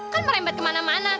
kan merembet kemana mana